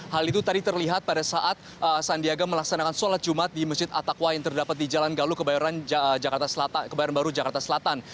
hal itu tadi terlihat pada saat sandiaga melaksanakan sholat jumat di masjid attaqwa yang terdapat di jalan galuh kebayoran baru jakarta selatan